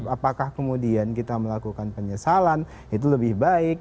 apakah kemudian kita melakukan penyesalan itu lebih baik